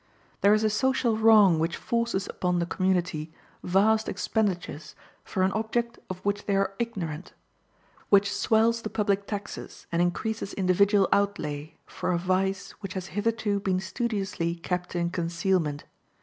There is a social wrong which forces upon the community vast expenditures for an object of which they are ignorant; which swells the public taxes and increases individual outlay for a vice which has hitherto been studiously kept in concealment.